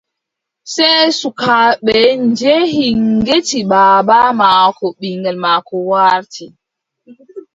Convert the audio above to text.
Sey sukaaɓe njehi ngecci baaba maako ɓiŋngel maako warti.